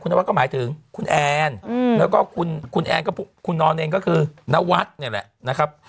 นวัดก็หมายถึงคุณแอนแล้วก็คุณนอนเองก็คือนวัดเนี่ยแหละนะครับ